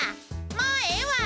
もうええわ！